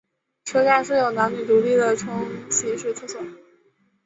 车站设有男女独立的冲洗式厕所。